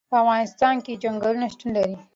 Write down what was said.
په افغانستان کې چنګلونه شتون لري.